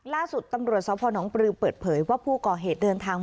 ล่าสุดตำรวจสพนปลือเปิดเผยว่าผู้ก่อเหตุเดินทาง